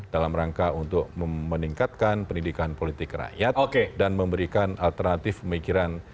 dan memberikan alternatif pemikiran